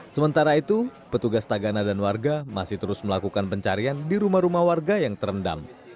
sementara itu petugas tagana dan warga masih terus melakukan pencarian di rumah rumah warga yang terendam